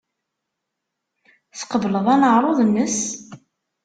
Tqebleḍ aneɛruḍ-nnes?